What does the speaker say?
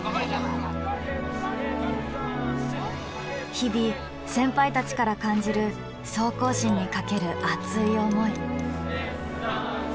日々先輩たちから感じる総行進にかける熱い思い。